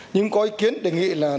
nhưng có ý kiến đề nghị là thời gian